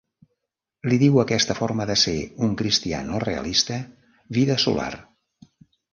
Li diu a aquesta forma de ser un cristià no realista: "vida solar".